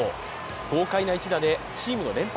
豪快な一打で、チームの連敗